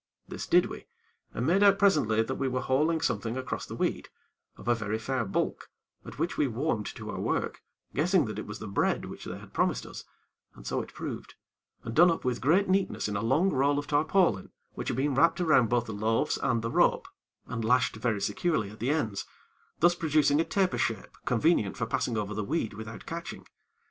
This did we, and made out presently that we were hauling something across the weed, of a very fair bulk, at which we warmed to our work, guessing that it was the bread which they had promised us, and so it proved, and done up with great neatness in a long roll of tarpaulin, which had been wrapped around both the loaves and the rope, and lashed very securely at the ends, thus producing a taper shape convenient for passing over the weed without catching.